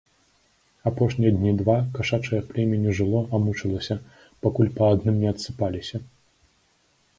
Апошнія дні два кашачае племя не жыло, а мучылася, пакуль па адным не адсыпаліся.